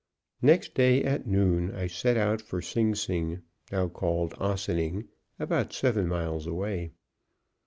Next day, at noon, I set out for Sing Sing, now called Ossining, about seven miles away.